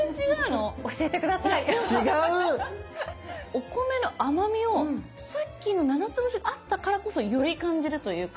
お米の甘みをさっきのななつぼしがあったからこそより感じるというか。